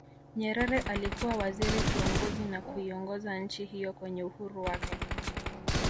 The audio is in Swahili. Nyerere alikuwa Waziri Kiongozi na kuiongoza nchi hiyo kwenye uhuru wake